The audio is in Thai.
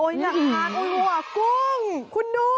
อยากการโอ้โหว่ว่ะกุ้งคุณดู